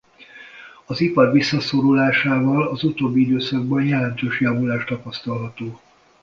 Az ipar visszaszorulásával az utóbbi időszakban jelentős javulás tapasztalható.